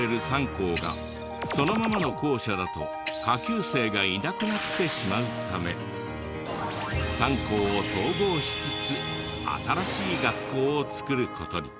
３校がそのままの校舎だと下級生がいなくなってしまうため３校を統合しつつ新しい学校をつくる事に。